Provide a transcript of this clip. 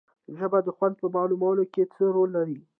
ژبه د خوند په معلومولو کې څه رول لري